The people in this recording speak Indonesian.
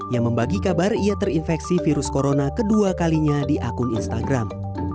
yang membagi kabar ia terinfeksi virus corona kedua kalinya di akun instagram